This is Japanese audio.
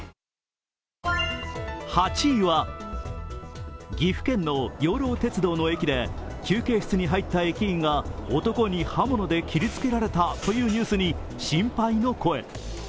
８位は、岐阜県の養老鉄道の駅で休憩室に入った駅員が男に刃物で切りつけられたというニュースに心配の声。